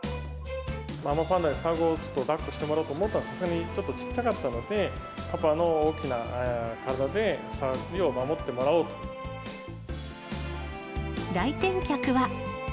ママパンダに双子をだっこしてもらおうと思ったのですが、さすがにちょっと小っちゃかったので、パパの大きな体で２人を守来店客は。